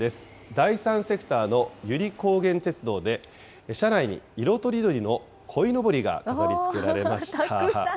第三セクターの由利高原鉄道で、車内に色とりどりのこいのぼりがたくさん。